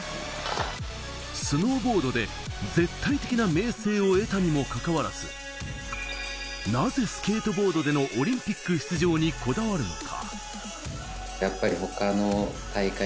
スノーボードで絶対的な名声を得たにもかかわらず、なぜスケートボードでのオリンピック出場にこだわるのか。